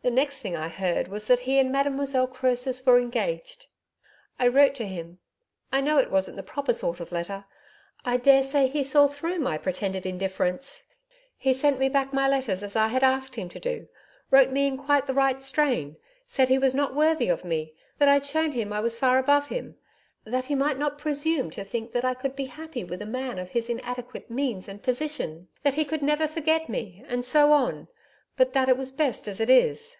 The next thing I heard was that he and Mademoiselle Croesus were engaged. I wrote to him I know it wasn't the proper sort of letter I daresay he saw through my pretended indifference. He sent me back my letters as I had asked him to do wrote me in quite the right strain said he was not worthy of me that I'd shewn him I was far above him that he might not presume to think I could be happy with a man of his inadequate means and position that he could never forget me and so on but that it was best as it is.